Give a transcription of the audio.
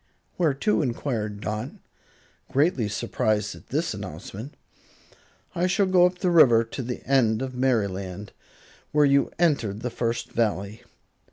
"Where to?" enquired Dot, greatly surprised at this announcement. "I shall go up the river to the end of Merryland, where you entered the First Valley.